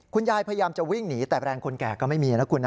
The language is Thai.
พยายามจะวิ่งหนีแต่แรงคนแก่ก็ไม่มีนะคุณนะ